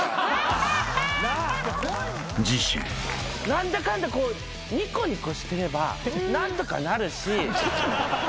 何だかんだニコニコしてれば何とかなるし。